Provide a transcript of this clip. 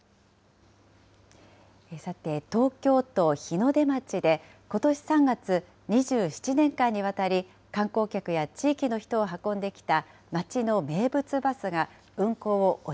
さて、東京都日の出町で、ことし３月、２７年間にわたり観光客や地域の人を運んできた町の名物バスが運